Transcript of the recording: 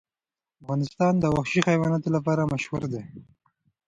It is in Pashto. افغانستان د وحشي حیواناتو لپاره مشهور دی.